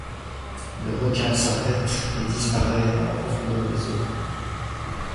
Le requin s’arrête et disparaît dans la profondeur des eaux.